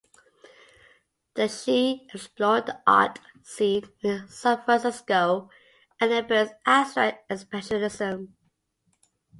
There, she explored the art scene in San Francisco and embraced abstract expressionism.